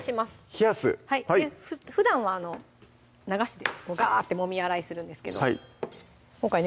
冷やすふだんは流しでこうガーッてもみ洗いするんですけど今回ね